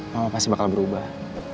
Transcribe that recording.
mama pasti bakal berubah